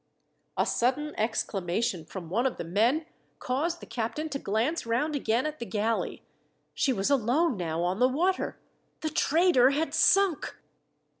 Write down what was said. A sudden exclamation from one of the men caused the captain to glance round again at the galley. She was alone now on the water the trader had sunk!